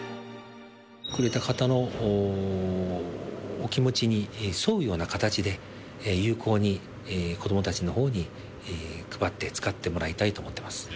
くれた方のお気持ちに沿うような形で、有効に子どもたちのほうに配って使ってもらいたいと思ってます。